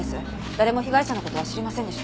誰も被害者の事は知りませんでした。